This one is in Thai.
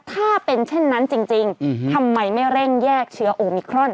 ถ้าเป็นเช่นนั้นจริงทำไมไม่เร่งแยกเชื้อโอมิครอน